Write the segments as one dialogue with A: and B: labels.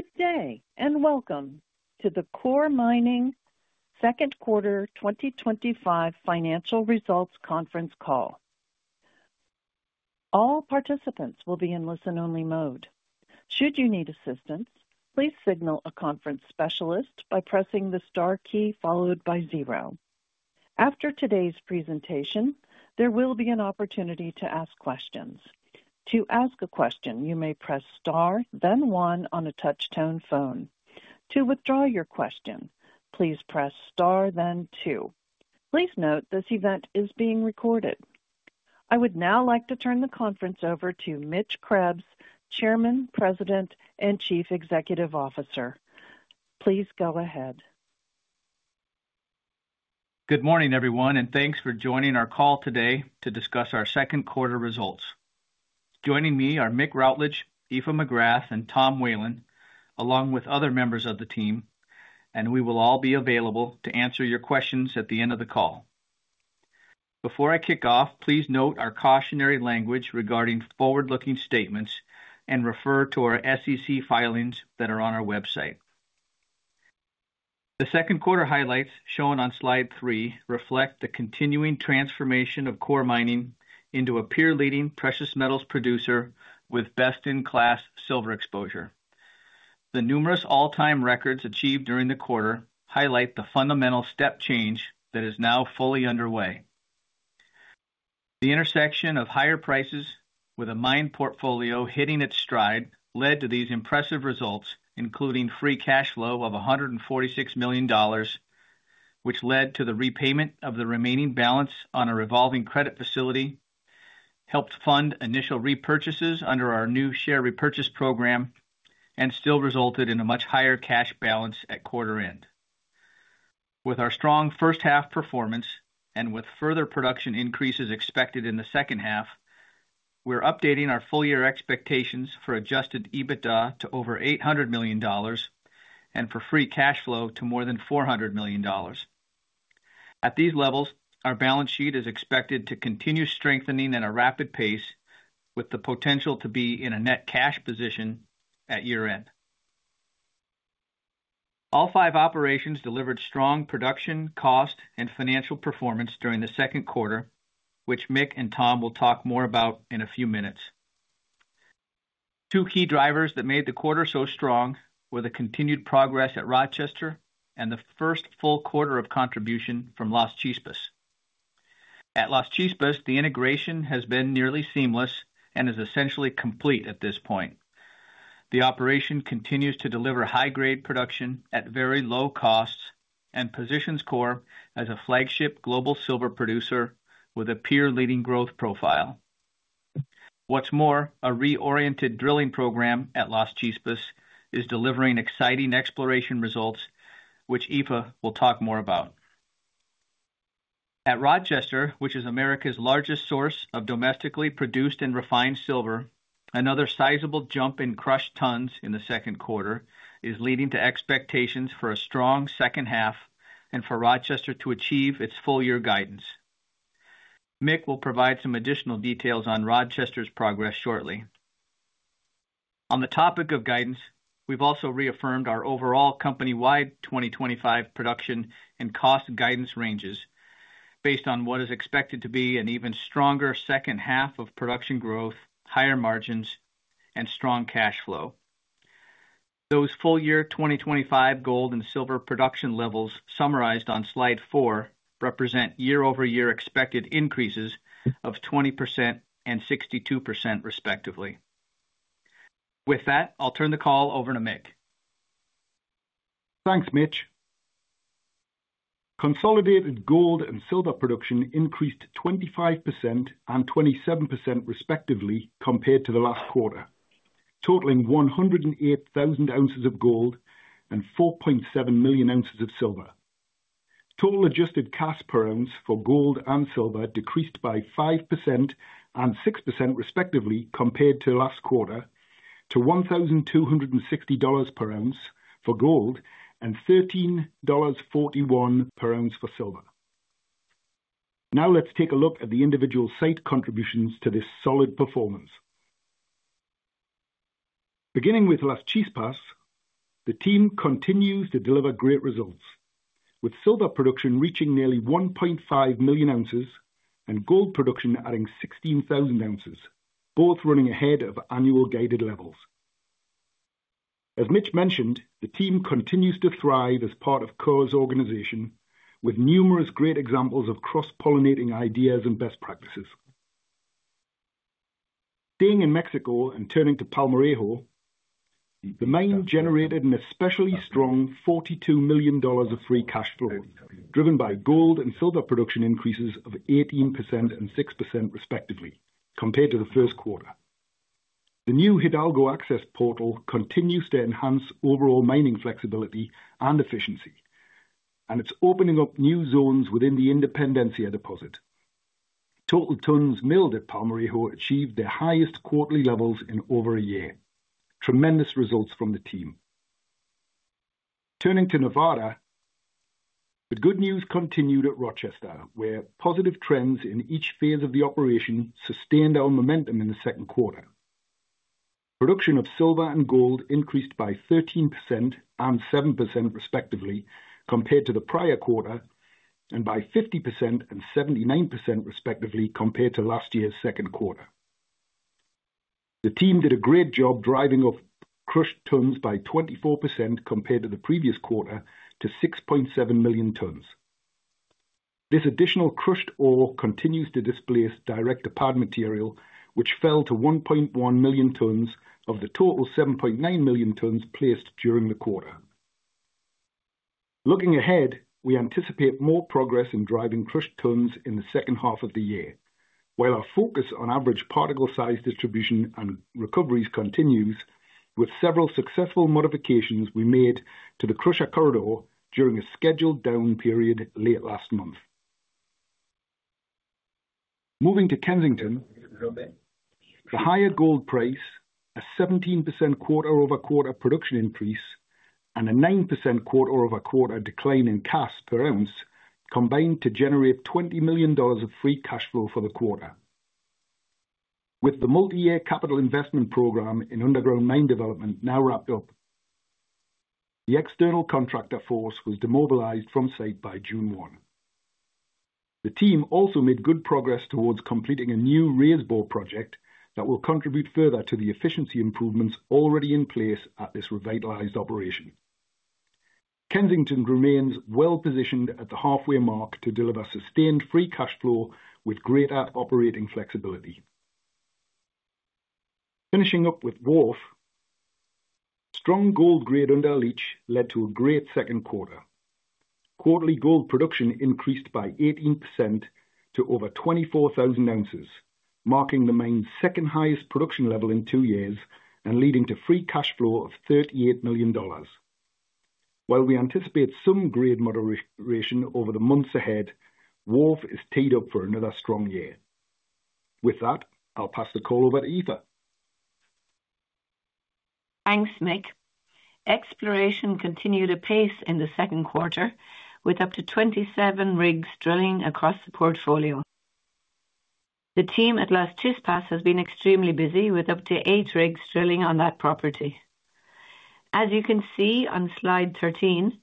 A: Good day and welcome to the Coeur Mining Second Quarter 2025 Financial Results Conference Call. All participants will be in listen-only mode. Should you need assistance, please signal a conference specialist by pressing the star key followed by zero. After today's presentation, there will be an opportunity to ask questions. To ask a question, you may press star, then one on a touchtone phone. To withdraw your question, please press star, then two. Please note this event is being recorded. I would now like to turn the conference over to Mitchell Krebs, Chairman, President, and Chief Executive Officer. Please go ahead.
B: Good morning, everyone, and thanks for joining our call today to discuss our second quarter results. Joining me are Mick Routledge, Aoife McGrath, and Tom Whelan, along with other members of the team, and we will all be available to answer your questions at the end of the call. Before I kick off, please note our cautionary language regarding forward-looking statements and refer to our SEC filings that are on our website. The second quarter highlights shown on slide three reflect the continuing transformation of Coeur Mining, Inc. into a peer-leading precious metals producer with best-in-class silver exposure. The numerous all-time records achieved during the quarter highlight the fundamental step change that is now fully underway. The intersection of higher prices with a mine portfolio hitting its stride led to these impressive results, including free cash flow of $146 million, which led to the repayment of the remaining balance on a revolving credit facility, helped fund initial repurchases under our new share repurchase program, and still resulted in a much higher cash balance at quarter end. With our strong first half performance and with further production increases expected in the second half, we're updating our full-year expectations for adjusted EBITDA to over $800 million and for free cash flow to more than $400 million. At these levels, our balance sheet is expected to continue strengthening at a rapid pace with the potential to be in a net cash position at year end. All five operations delivered strong production, cost, and financial performance during the second quarter, which Mick and Tom will talk more about in a few minutes. Two key drivers that made the quarter so strong were the continued progress at Rochester and the first full quarter of contribution from Las Chispas. At Las Chispas, the integration has been nearly seamless and is essentially complete at this point. The operation continues to deliver high-grade production at very low costs and positions Coeur as a flagship global silver producer with a peer-leading growth profile. What's more, a reoriented drilling program at Las Chispas is delivering exciting exploration results, which Aoife will talk more about. At Rochester, which is America's largest source of domestically produced and refined silver, another sizable jump in crushed tons in the second quarter is leading to expectations for a strong second half and for Rochester to achieve its full-year guidance. Mick will provide some additional details on Rochester's progress shortly. On the topic of guidance, we've also reaffirmed our overall company-wide 2025 production and cost guidance ranges based on what is expected to be an even stronger second half of production growth, higher margins, and strong cash flow. Those full-year 2025 gold and silver production levels summarized on slide four represent year-over-year expected increases of 20% and 62%, respectively. With that, I'll turn the call over to Mick.
C: Thanks, Mitch. Consolidated gold and silver production increased 25% and 27%, respectively, compared to the last quarter, totaling 108,000 ounces of gold and 4.7 million ounces of silver. Total adjusted costs per ounce for gold and silver decreased by 5% and 6%, respectively, compared to the last quarter to $1,260 per ounce for gold and $13.41 per ounce for silver. Now let's take a look at the individual site contributions to this solid performance. Beginning with Las Chispas, the team continues to deliver great results, with silver production reaching nearly 1.5 million ounces and gold production adding 16,000 ounces, both running ahead of annual guided levels. As Mitch mentioned, the team continues to thrive as part of Coeur Mining's organization, with numerous great examples of cross-pollinating ideas and best practices. Staying in Mexico and turning to Palmarejo, the mine generated an especially strong $42 million of free cash flow, driven by gold and silver production increases of 18% and 6%, respectively, compared to the first quarter. The new Hidalgo access portal continues to enhance overall mining flexibility and efficiency, and it's opening up new zones within the Independencia deposit. Total tons milled at Palmarejo achieved their highest quarterly levels in over a year. Tremendous results from the team. Turning to Nevada, the good news continued at Rochester, where positive trends in each phase of the operation sustained our momentum in the second quarter. Production of silver and gold increased by 13% and 7%, respectively, compared to the prior quarter, and by 50% and 79%, respectively, compared to last year's second quarter. The team did a great job driving off crushed tons by 24% compared to the previous quarter to 6.7 million tons. This additional crushed ore continues to displace direct deposit material, which fell to 1.1 million tons of the total 7.9 million tons placed during the quarter. Looking ahead, we anticipate more progress in driving crushed tons in the second half of the year, while our focus on average particle size distribution and recoveries continues with several successful modifications we made to the Crusher corridor during a scheduled down period late last month. Moving to Kensington, the higher gold price, a 17% quarter-over-quarter production increase, and a 9% quarter-over-quarter decline in cost per ounce combined to generate $20 million of free cash flow for the quarter. With the multi-year capital investment program in underground mine development now wrapped up, the external contractor force was demobilized from site by June 1. The team also made good progress towards completing a new raised bore project that will contribute further to the efficiency improvements already in place at this revitalized operation. Kensington remains well positioned at the halfway mark to deliver sustained free cash flow with greater operating flexibility. Finishing up with Wharf, strong gold grade under leach led to a great second quarter. Quarterly gold production increased by 18% to over 24,000 ounces, marking the mine's second highest production level in two years and leading to free cash flow of $38 million. While we anticipate some grade moderation over the months ahead, Wharf is set up for another strong year. With that, I'll pass the call over to Aoife.
D: Thanks, Mick. Exploration continued apace in the second quarter, with up to 27 rigs drilling across the portfolio. The team at Las Chispas has been extremely busy with up to eight rigs drilling on that property. As you can see on slide 13,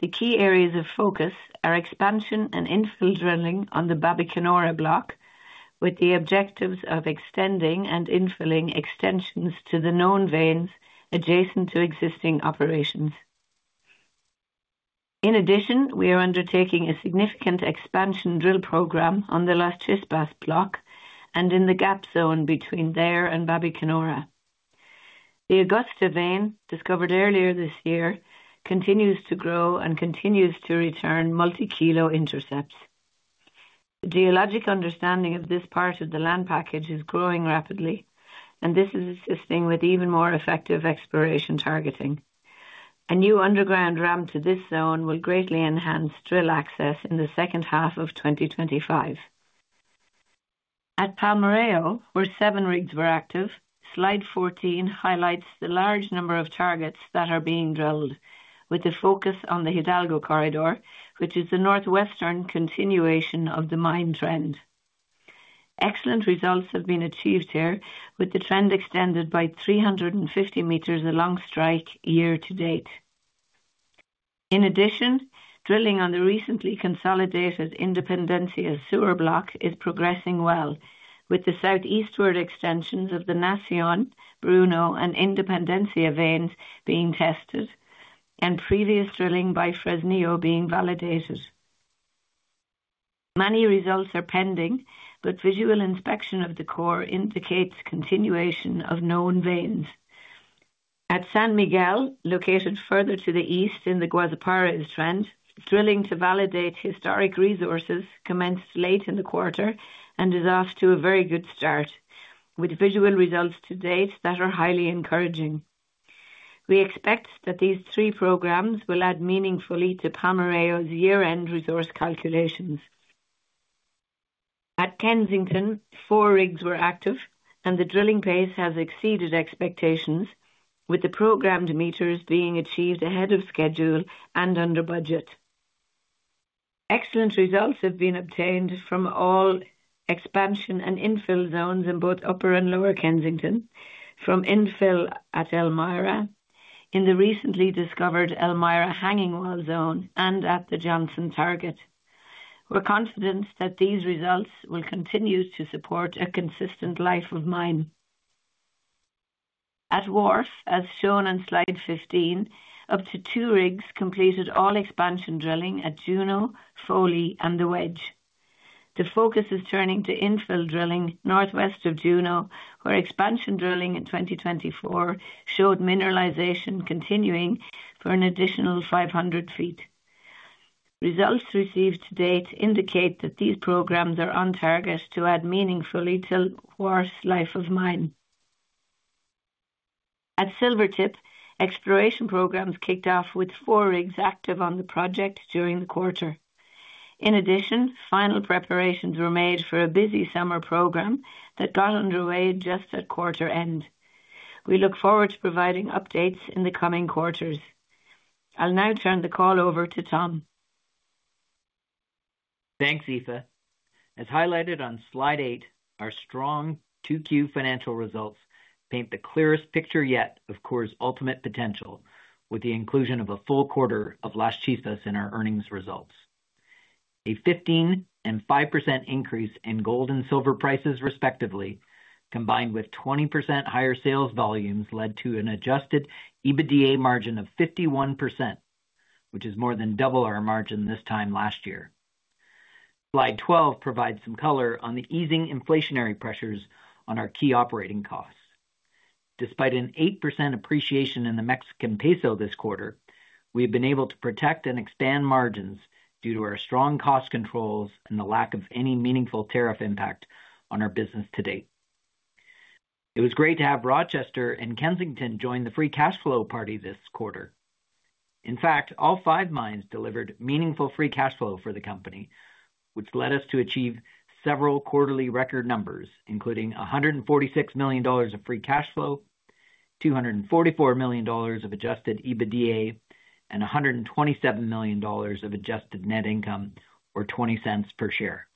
D: the key areas of focus are expansion and infill drilling on the Babicanora block, with the objectives of extending and infilling extensions to the known veins adjacent to existing operations. In addition, we are undertaking a significant expansion drill program on the Las Chispas block and in the gap zone between there and Babicanora. The Augusta vein, discovered earlier this year, continues to grow and continues to return multi-kilo intercepts. The geologic understanding of this part of the land package is growing rapidly, and this is assisting with even more effective exploration targeting. A new underground ramp to this zone will greatly enhance drill access in the second half of 2025. At Palmarejo, where seven rigs were active, slide 14 highlights the large number of targets that are being drilled, with the focus on the Hidalgo corridor, which is the northwestern continuation of the mine trend. Excellent results have been achieved here, with the trend extended by 350 meters along strike year to date. In addition, drilling on the recently consolidated Independencia block is progressing well, with the southeastward extensions of the Nación, Bruno, and Independencia veins being tested and previous drilling by Fresnillo being validated. Many results are pending, but visual inspection of the core indicates continuation of known veins. At San Miguel, located further to the east in the Guazapares trend, drilling to validate historic resources commenced late in the quarter and is off to a very good start, with visual results to date that are highly encouraging. We expect that these three programs will add meaningfully to Palmarejo's year-end resource calculations. At Kensington, four rigs were active, and the drilling pace has exceeded expectations, with the programmed meters being achieved ahead of schedule and under budget. Excellent results have been obtained from all expansion and infill zones in both upper and lower Kensington, from infill at Elmira in the recently discovered Elmira hanging wall zone and at the Johnson target. We're confident that these results will continue to support a consistent life of mine. At Wharf, as shown on slide 15, up to two rigs completed all expansion drilling at Juno, Foley, and the Wedge. The focus is turning to infill drilling northwest of Juno, where expansion drilling in 2024 showed mineralization continuing for an additional 500 ft. Results received to date indicate that these programs are on target to add meaningfully to Wharf's life of mine. At Silvertip, exploration programs kicked off with four rigs active on the project during the quarter. In addition, final preparations were made for a busy summer program that got underway just at quarter end. We look forward to providing updates in the coming quarters. I'll now turn the call over to Tom.
E: Thanks, Eva. As highlighted on slide eight, our strong Q2 financial results paint the clearest picture yet of Coeur's ultimate potential, with the inclusion of a full quarter of Las Chispas in our earnings results. A 15% and 5% increase in gold and silver prices, respectively, combined with 20% higher sales volumes, led to an adjusted EBITDA margin of 51%, which is more than double our margin this time last year. Slide 12 provides some color on the easing inflationary pressures on our key operating costs. Despite an 8% appreciation in the Mexican peso this quarter, we have been able to protect and expand margins due to our strong cost controls and the lack of any meaningful tariff impact on our business to date. It was great to have Rochester and Kensington join the free cash flow party this quarter. In fact, all five mines delivered meaningful free cash flow for the company, which led us to achieve several quarterly record numbers, including $146 million of free cash flow, $244 million of adjusted EBITDA, and $127 million of adjusted net income, or $0.20 per share.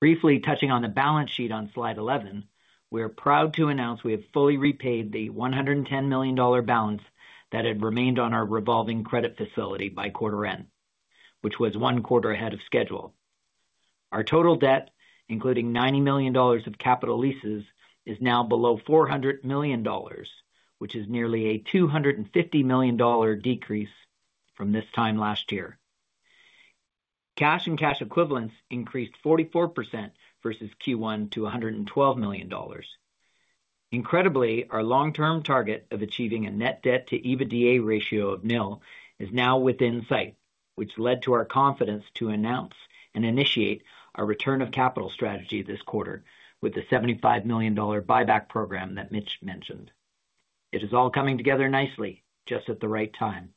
E: Briefly touching on the balance sheet on slide 11, we're proud to announce we have fully repaid the $110 million balance that had remained on our revolving credit facility by quarter end, which was one quarter ahead of schedule. Our total debt, including $90 million of capital leases, is now below $400 million, which is nearly a $250 million decrease from this time last year. Cash and cash equivalents increased 44% versus Q1 to $112 million. Incredibly, our long-term target of achieving a net debt to EBITDA ratio of nil is now within sight, which led to our confidence to announce and initiate our return of capital strategy this quarter with the $75 million buyback program that Mitch mentioned. It is all coming together nicely, just at the right time.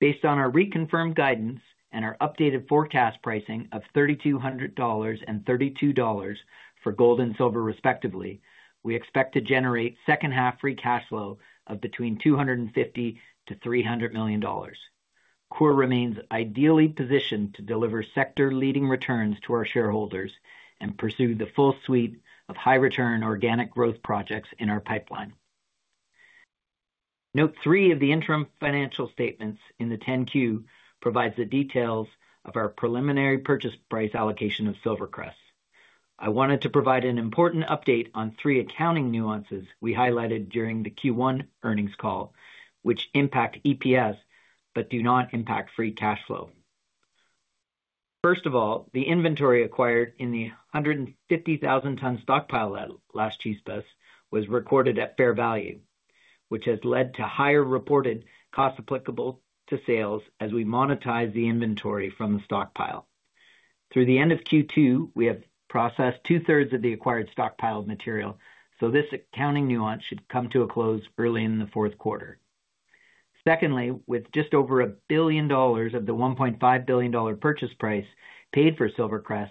E: Based on our reconfirmed guidance and our updated forecast pricing of $3,200 and $32 for gold and silver, respectively, we expect to generate second half free cash flow of between $250 million-$300 million. Coeur remains ideally positioned to deliver sector-leading returns to our shareholders and pursue the full suite of high-return organic growth projects in our pipeline. Note three of the interim financial statements in the 10-Q provides the details of our preliminary purchase price allocation of SilverCrest Metals Inc. I wanted to provide an important update on three accounting nuances we highlighted during the Q1 earnings call, which impact EPS but do not impact free cash flow. First of all, the inventory acquired in the 150,000-ton stockpile at Las Chispas was recorded at fair value, which has led to higher reported costs applicable to sales as we monetize the inventory from the stockpile. Through the end of Q2, we have processed two-thirds of the acquired stockpiled material, so this accounting nuance should come to a close early in the fourth quarter. Secondly, with just over $1 billion of the $1.5 billion purchase price paid for SilverCrest Metals Inc.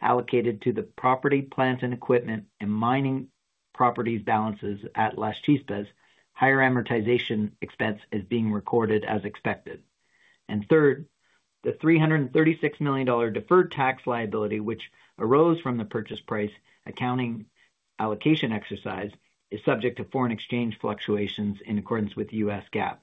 E: allocated to the property, plants, and equipment and mining properties balances at Las Chispas, higher amortization expense is being recorded as expected. Third, the $336 million deferred tax liability, which arose from the purchase price accounting allocation exercise, is subject to foreign exchange fluctuations in accordance with U.S. GAAP.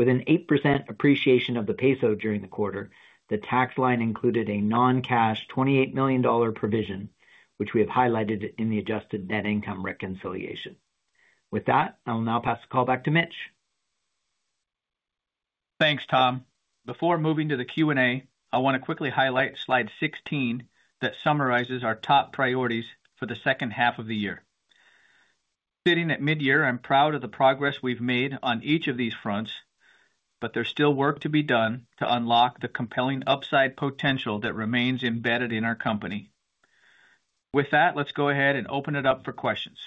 E: With an 8% appreciation of the peso during the quarter, the tax line included a non-cash $28 million provision, which we have highlighted in the adjusted net income reconciliation. With that, I will now pass the call back to Mitch.
B: Thanks, Tom. Before moving to the Q&A, I want to quickly highlight slide 16 that summarizes our top priorities for the second half of the year. Sitting at mid-year, I'm proud of the progress we've made on each of these fronts, but there's still work to be done to unlock the compelling upside potential that remains embedded in our company. With that, let's go ahead and open it up for questions.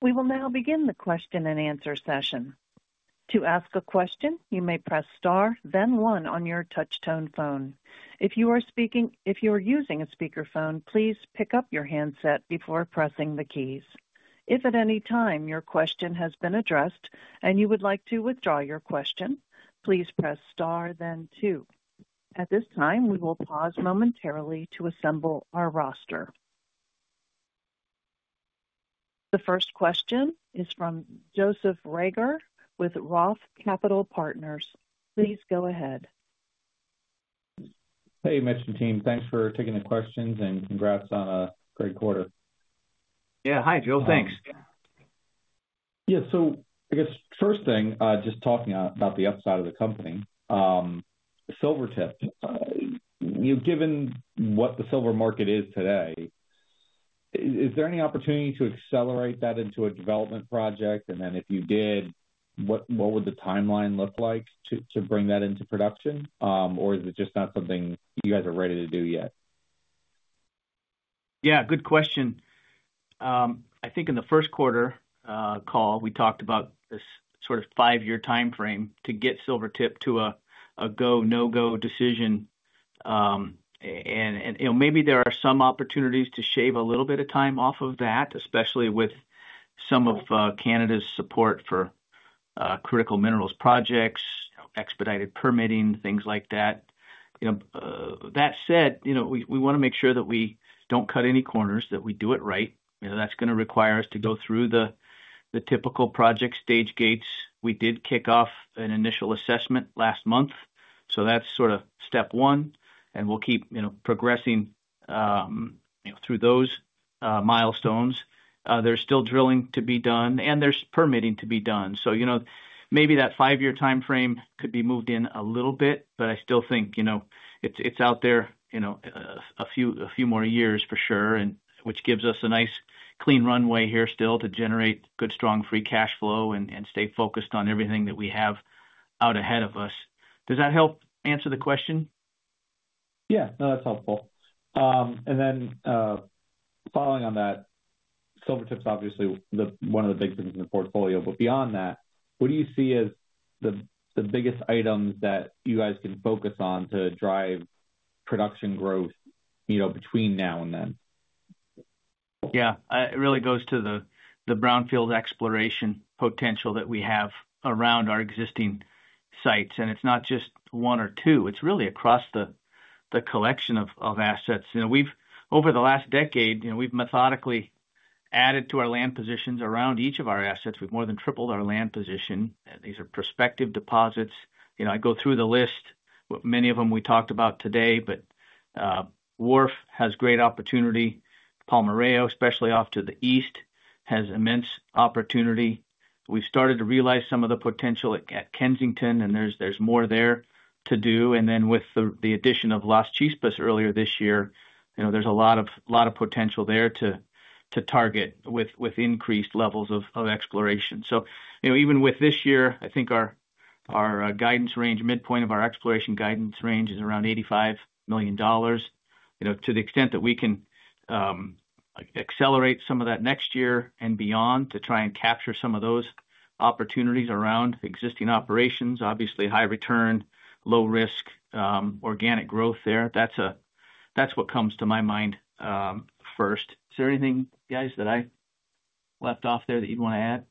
A: We will now begin the question and answer session. To ask a question, you may press star, then one on your touchtone phone. If you are using a speakerphone, please pick up your handset before pressing the keys. If at any time your question has been addressed and you would like to withdraw your question, please press star, then two. At this time, we will pause momentarily to assemble our roster. The first question is from Joseph Reagor with Roth Capital Partners. Please go ahead.
F: Hey, Mitch and team, thanks for taking the questions and congrats on a great quarter.
B: Yeah, hi, Joe. Thanks.
F: Yeah, I guess first thing, just talking about the upside of the company, Silvertip, you know, given what the silver market is today, is there any opportunity to accelerate that into a development project? If you did, what would the timeline look like to bring that into production? Or is it just not something you guys are ready to do yet?
B: Yeah, good question. I think in the first quarter call, we talked about this sort of five-year timeframe to get Silvertip to a go/no-go decision. Maybe there are some opportunities to shave a little bit of time off of that, especially with some of Canada's support for critical minerals projects, expedited permitting, things like that. That said, we want to make sure that we don't cut any corners, that we do it right. That's going to require us to go through the typical project stage gates. We did kick off an initial assessment last month. That's sort of step one, and we'll keep progressing through those milestones. There's still drilling to be done, and there's permitting to be done. Maybe that five-year timeframe could be moved in a little bit, but I still think it's out there, a few more years for sure, which gives us a nice clean runway here still to generate good, strong free cash flow and stay focused on everything that we have out ahead of us. Does that help answer the question?
F: Yeah, no, that's helpful. Following on that, Silvertip's obviously one of the big things in the portfolio, but beyond that, what do you see as the biggest items that you guys can focus on to drive production growth between now and then?
B: Yeah, it really goes to the brownfield exploration potential that we have around our existing sites. It's not just one or two. It's really across the collection of assets. Over the last decade, we've methodically added to our land positions around each of our assets. We've more than tripled our land position. These are prospective deposits. I go through the list, many of them we talked about today, but Wharf has great opportunity. Palmarejo, especially off to the east, has immense opportunity. We've started to realize some of the potential at Kensington, and there's more there to do. With the addition of Las Chispas earlier this year, there's a lot of potential there to target with increased levels of exploration. Even with this year, I think our guidance range, midpoint of our exploration guidance range, is around $85 million. To the extent that we can accelerate some of that next year and beyond to try and capture some of those opportunities around existing operations, obviously high return, low risk, organic growth there. That's what comes to my mind first. Is there anything, guys, that I left off there that you'd want to add?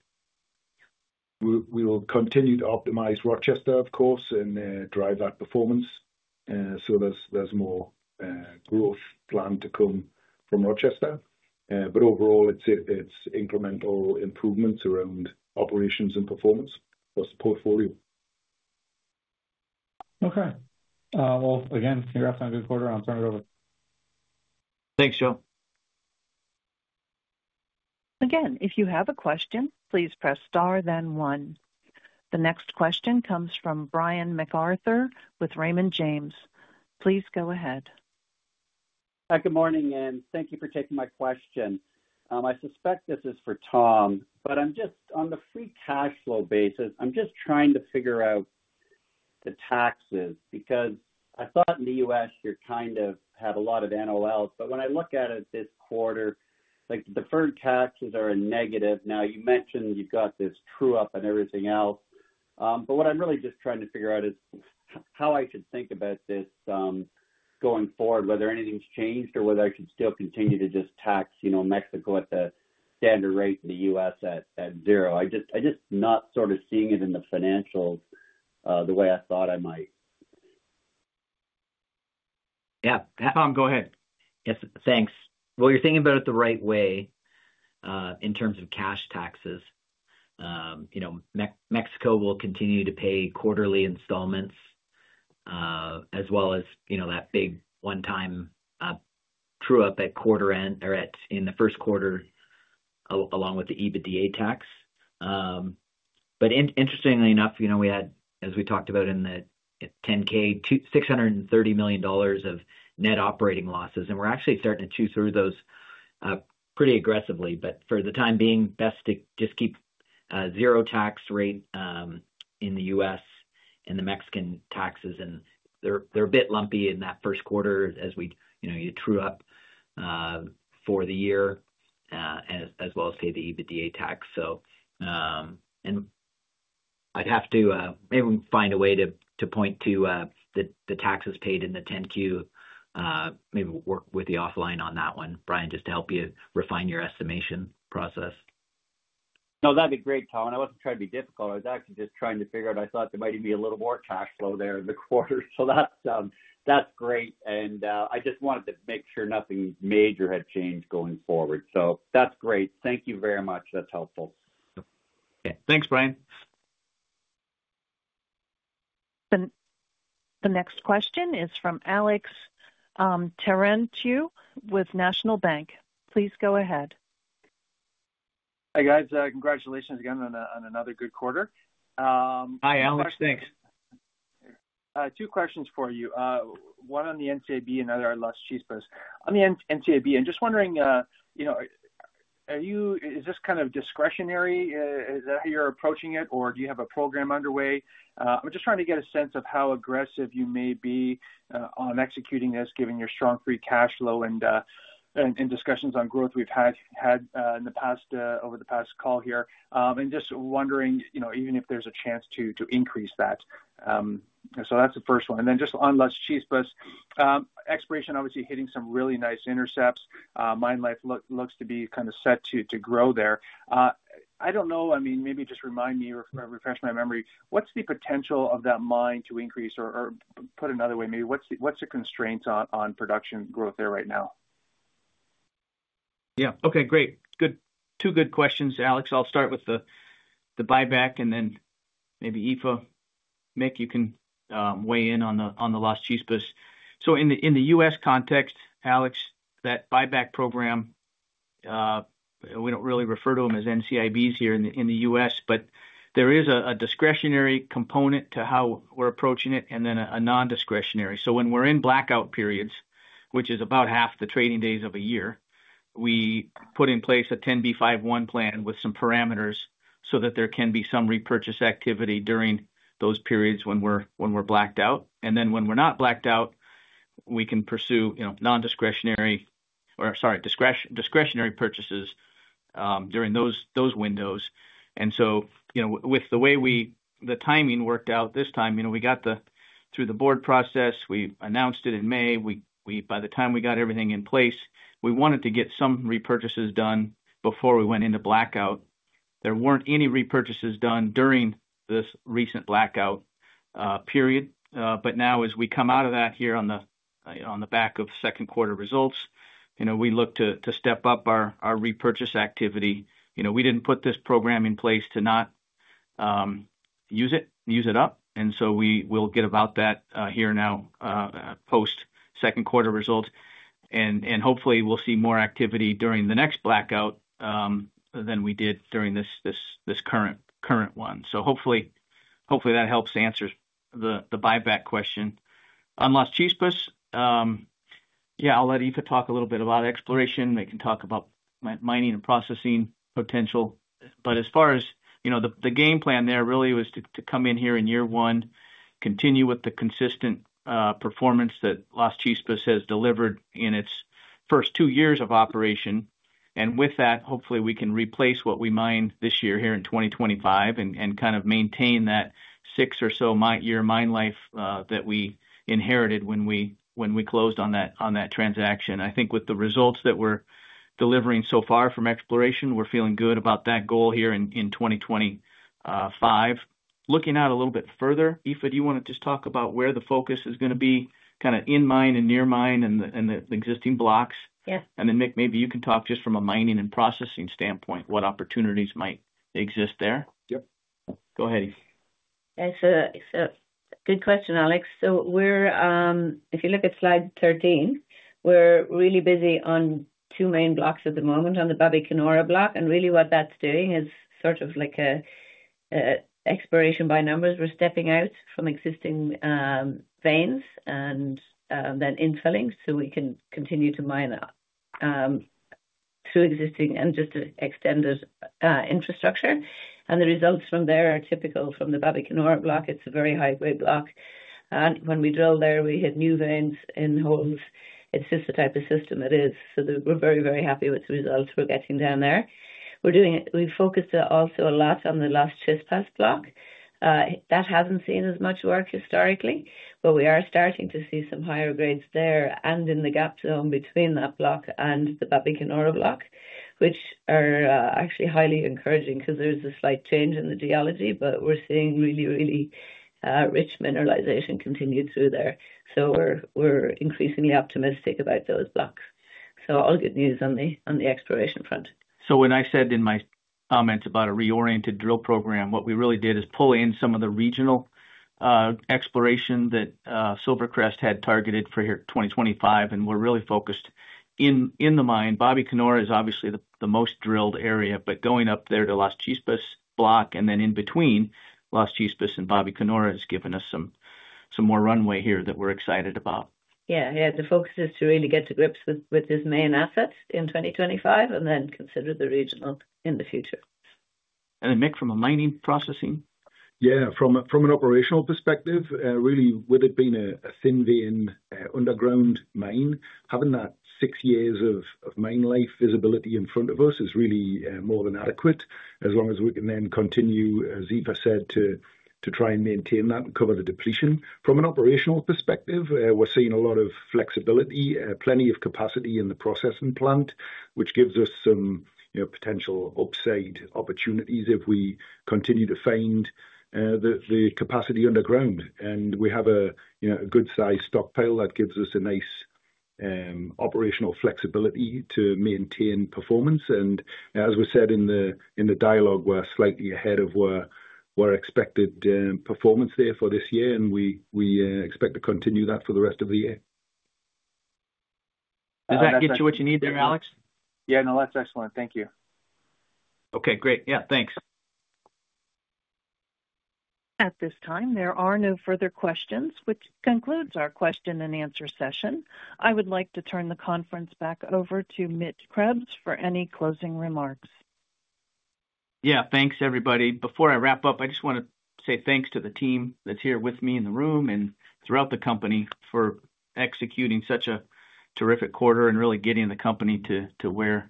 C: We will continue to optimize Rochester, of course, and drive that performance. There is more growth planned to come from Rochester. Overall, it's incremental improvements around operations and performance plus portfolio.
F: Okay. Again, congrats on a good quarter. I'll turn it over.
B: Thanks, Joe.
A: Again, if you have a question, please press star, then one. The next question comes from Brian MacArthur with Raymond James. Please go ahead.
G: Good morning, and thank you for taking my question. I suspect this is for Tom, but I'm just on the free cash flow basis. I'm just trying to figure out the taxes because I thought in the U.S. you kind of had a lot of net operating losses, but when I look at it this quarter, like the deferred taxes are a negative. You mentioned you've got this true up and everything else. What I'm really just trying to figure out is how I should think about this going forward, whether anything's changed or whether I should still continue to just tax, you know, Mexico at the standard rate and the U.S. at zero. I'm just not sort of seeing it in the financials the way I thought I might.
B: Yeah, Tom, go ahead.
E: Yes, thanks. You're thinking about it the right way in terms of cash taxes. Mexico will continue to pay quarterly installments as well as that big one-time true up at quarter end or in the first quarter along with the EBITDA tax. Interestingly enough, as we talked about in the 10-K, $630 million of net operating losses, and we're actually starting to chew through those pretty aggressively. For the time being, best to just keep a 0% tax rate in the U.S. and the Mexican taxes, and they're a bit lumpy in that first quarter as you true up for the year as well as pay the EBITDA tax. I'd have to maybe find a way to point to the taxes paid in the 10-Q, maybe work with you offline on that one, Brian, just to help you refine your estimation process.
G: No, that'd be great, Tom. I wasn't trying to be difficult. I was actually just trying to figure out, I thought there might even be a little more cash flow there in the quarter. That's great. I just wanted to make sure nothing major had changed going forward. That's great. Thank you very much. That's helpful.
F: Yeah, thanks, Brian.
A: The next question is from Alexander Terentiew with National Bank. Please go ahead.
H: Hey, guys, congratulations again on another good quarter.
B: Hi, Alexander Terentiew. Thanks.
H: Two questions for you. One on the share repurchase program and another on Las Chispas. On the share repurchase program, I'm just wondering, you know, are you, is this kind of discretionary? Is that how you're approaching it, or do you have a program underway? I'm just trying to get a sense of how aggressive you may be on executing this, given your strong free cash flow and discussions on growth we've had in the past over the past call here. I'm just wondering, you know, even if there's a chance to increase that. That's the first one. Then just on Las Chispas, exploration obviously hitting some really nice intercepts. Mine life looks to be kind of set to grow there. I don't know, I mean, maybe just remind me or refresh my memory, what's the potential of that mine to increase or put another way, maybe what's the constraints on production growth there right now?
B: Yeah, okay, great. Good. Two good questions, Alex. I'll start with the buyback and then maybe Aoife, Mick, you can weigh in on the Las Chispas. In the U.S. context, Alex, that buyback program, we don't really refer to them as NCABs here in the U.S., but there is a discretionary component to how we're approaching it and then a non-discretionary. When we're in blackout periods, which is about half the trading days of a year, we put in place a 10B5-1 plan with some parameters so that there can be some repurchase activity during those periods when we're blacked out. When we're not blacked out, we can pursue discretionary purchases during those windows. With the way the timing worked out this time, we got through the board process, we announced it in May. By the time we got everything in place, we wanted to get some repurchases done before we went into blackout. There weren't any repurchases done during this recent blackout period. Now, as we come out of that here on the back of second quarter results, we look to step up our repurchase activity. We didn't put this program in place to not use it, use it up. We'll get about that here now post second quarter results. Hopefully, we'll see more activity during the next blackout than we did during this current one. Hopefully that helps answer the buyback question. On Las Chispas, I'll let Aoife talk a little bit about exploration. We can talk about mining and processing potential. As far as the game plan there, really was to come in here in year one, continue with the consistent performance that Las Chispas has delivered in its first two years of operation. With that, hopefully, we can replace what we mine this year here in 2025 and kind of maintain that six or so year mine life that we inherited when we closed on that transaction. I think with the results that we're delivering so far from exploration, we're feeling good about that goal here in 2025. Looking out a little bit further, Aoife, do you want to just talk about where the focus is going to be kind of in mine and near mine and the existing blocks? Mick, maybe you can talk just from a mining and processing standpoint, what opportunities might exist there?
C: Yep.
B: Go ahead, Aoife.
D: It's a good question, Alex. If you look at slide 13, we're really busy on two main blocks at the moment, on the Babicanora block. What that's doing is sort of like an exploration by numbers. We're stepping out from existing veins and then infilling so we can continue to mine through existing and just extended infrastructure. The results from there are typical from the Babicanora block. It's a very high-grade block, and when we drill there, we hit new veins in holes. It's just the type of system it is. We're very, very happy with the results we're getting down there. We focused also a lot on the Las Chispas block. That hasn't seen as much work historically, but we are starting to see some higher grades there and in the gap zone between that block and the Babicanora block, which are actually highly encouraging because there's a slight change in the geology, but we're seeing really, really rich mineralization continue through there. We're increasingly optimistic about those blocks. All good news on the exploration front.
B: When I said in my comments about a reoriented drill program, what we really did is pull in some of the regional exploration that SilverCrest had targeted for here in 2025, and we're really focused in the mine. Babicanora is obviously the most drilled area, but going up there to Las Chispas block and then in between Las Chispas and Babicanora has given us some more runway here that we're excited about.
D: Yeah, the focus is to really get to grips with this main asset in 2025 and then consider the regional in the future.
B: Mick, from a mining processing?
C: Yeah, from an operational perspective, really, with it being a thin vein underground mine, having that six years of mine life visibility in front of us is really more than adequate, as long as we can then continue, as Aoife said, to try and maintain that and cover the depletion. From an operational perspective, we're seeing a lot of flexibility, plenty of capacity in the processing plant, which gives us some potential upside opportunities if we continue to find the capacity underground. We have a good size stockpile that gives us a nice operational flexibility to maintain performance. As we said in the dialogue, we're slightly ahead of where we're expected performance there for this year, and we expect to continue that for the rest of the year.
B: Does that get you what you need there, Alexander?
H: Yeah, no, that's excellent. Thank you.
B: Okay, great. Yeah, thanks.
A: At this time, there are no further questions, which concludes our question and answer session. I would like to turn the conference back over to Mitchell Krebs for any closing remarks.
B: Yeah, thanks, everybody. Before I wrap up, I just want to say thanks to the team that's here with me in the room and throughout the company for executing such a terrific quarter and really getting the company to where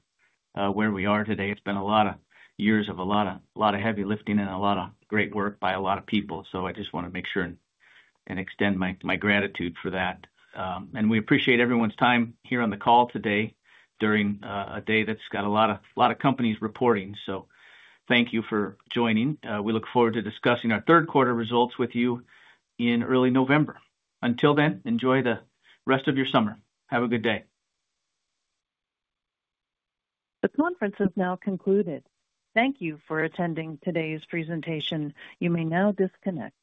B: we are today. It's been a lot of years of a lot of heavy lifting and a lot of great work by a lot of people. I just want to make sure and extend my gratitude for that. We appreciate everyone's time here on the call today during a day that's got a lot of companies reporting. Thank you for joining. We look forward to discussing our third quarter results with you in early November. Until then, enjoy the rest of your summer. Have a good day.
A: The conference has now concluded. Thank you for attending today's presentation. You may now disconnect.